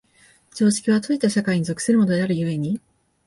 常識は閉じた社会に属するものである故に、